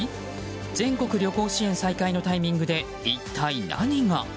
全国旅行支援再開のタイミングで一体何が。